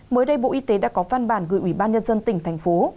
mới đây bộ y tế đã có văn bản gửi ủy ban nhân dân tỉnh thành phố